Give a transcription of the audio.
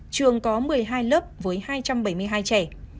trường có một mươi hai lớp với hai trăm bảy mươi hai trẻ